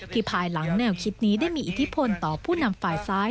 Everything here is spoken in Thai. ภายหลังแนวคิดนี้ได้มีอิทธิพลต่อผู้นำฝ่ายซ้าย